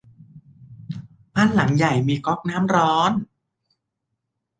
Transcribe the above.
บ้านหลังใหญ่มีน้ำก๊อกร้อน